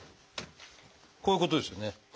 こういうことですよね。